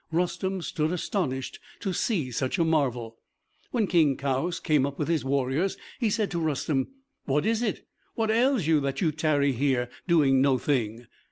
Rustem stood astonished to see such a marvel. When King Kaoüs came up with his warriors, he said to Rustem, "What is it? What ails you that you tarry here, doing no thing?"